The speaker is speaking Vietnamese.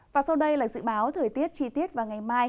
và sau đây là dự báo thời tiết chi tiết vào ngày mai